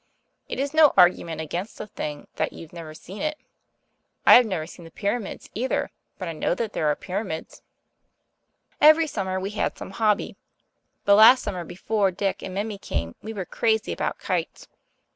It is no argument against a thing that you've never seen it. I have never seen the pyramids, either, but I know that there are pyramids. Every summer we had some hobby. The last summer before Dick and Mimi came we were crazy about kites.